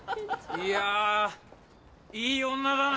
いやぁいい女だな！